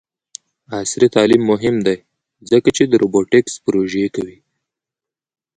عصري تعلیم مهم دی ځکه چې د روبوټکس پروژې کوي.